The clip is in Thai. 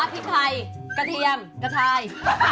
พริกไทยกระเทียมกระชาย